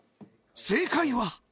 正解は。